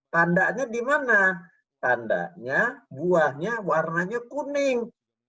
tandanya di mana tandanya buahnya warnanya kuning